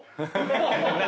何？